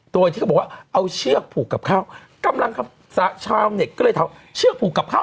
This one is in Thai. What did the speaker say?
โดยที่เขาบอกว่าเอาเชือกผูกกับข้าวกำลังชาวเน็ตก็เลยถามเชือกผูกกับข้าว